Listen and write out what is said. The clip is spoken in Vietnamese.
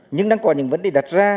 nhưng đang còn những vấn đề đặt ra